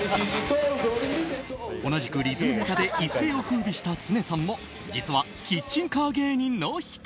同じくリズムネタで一世を風靡したツネさんも実はキッチンカー芸人の１人。